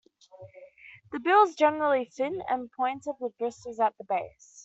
The bill is generally thin and pointed with bristles at the base.